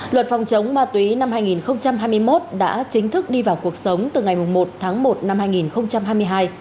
luật phòng chống ma túy năm hai nghìn hai mươi một đã chính thức đi vào cuộc sống từ ngày một tháng một năm hai nghìn hai mươi hai